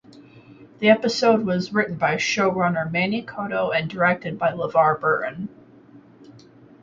The episode was written by showrunner Manny Coto and directed by LeVar Burton.